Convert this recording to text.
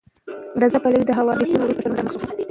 رضا پهلوي د هوايي بریدونو وروسته پوښتنو سره مخ شو.